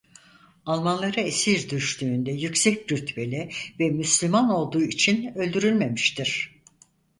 Almanlara esir düştüğünde yüksek rütbeli ve Müslüman olduğu için öldürülmemiştir.